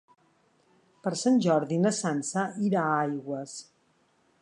Per Sant Jordi na Sança irà a Aigües.